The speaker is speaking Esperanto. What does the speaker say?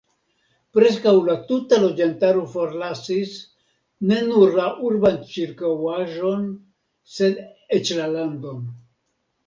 Preskaŭ la tuta loĝantaro forlasis ne nur la urban ĉirkaŭaĵon, sed eĉ la landon.